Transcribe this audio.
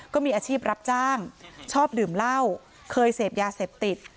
ก็มีอาชีพรับจ้างชอบดื่มเหล้าเคยเสพยาเสพติด